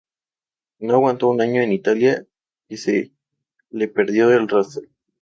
No aguantó un año en Italia que se le perdió el rastro.